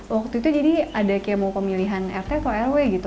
waktu itu jadi ada kayak mau pemilihan rt atau rw gitu